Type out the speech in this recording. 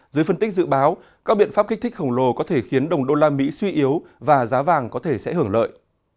dưới phân tích dự báo các biện pháp kích thích khổng lồ có thể khiến đồng đô la mỹ suy yếu và giá vàng có thể sẽ hưởng lợi